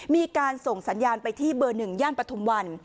มีการส่งสัญญาณไปที่เบอร์๑ย่านปฐุมวัน